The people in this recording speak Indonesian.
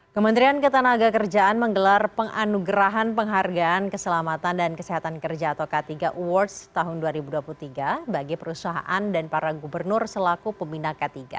kementerian ketenaga kerjaan menggelar penganugerahan penghargaan keselamatan dan kesehatan kerja atau k tiga awards tahun dua ribu dua puluh tiga bagi perusahaan dan para gubernur selaku pembina k tiga